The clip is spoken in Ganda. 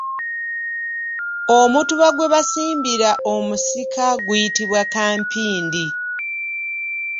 Omutuba gwe basimbira omusika guyitibwa kampindi.